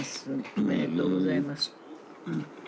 おめでとうございます。